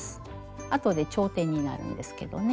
あとで頂点になるんですけどね。